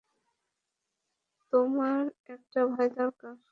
তোমার একটা ভাই দরকার।